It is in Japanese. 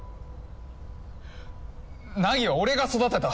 凪は俺が育てた。